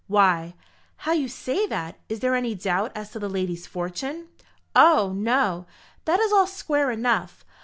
"Why, how you say that! Is there any doubt as to the lady's fortune?" "O no; that is all square enough.